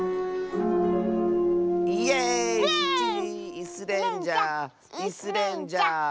イスレンジャーイスレンジャー！